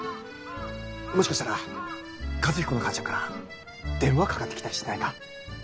もしかしたら和彦の母ちゃんから電話かかってきたりしてないか？